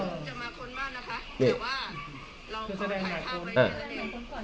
จะมาค้นบ้านนะคะหรือว่าเราขอถ่ายท่าไว้เยอะเลย